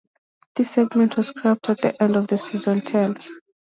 This segment was scrapped at the end of season ten.